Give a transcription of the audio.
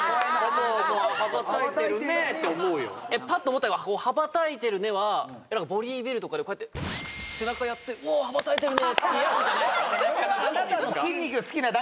パッと思ったのが「羽ばたいてるね」はボディビルとかでこうやって背中やって「おお羽ばたいてるね」ってやつじゃないの？